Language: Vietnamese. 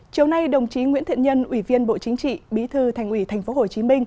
chiều nay đồng chí nguyễn thiện nhân ủy viên bộ chính trị bí thư thành ủy tp hcm